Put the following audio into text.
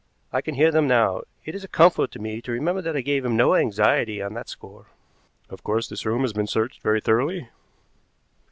I can hear them now. It is a comfort to me to remember that I gave him no anxiety on that score." "Of course this room has been searched very thoroughly?"